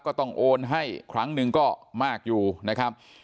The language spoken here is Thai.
ก็ต้องโอนให้ครั้งหนึ่งก็มากอยู่นะครับ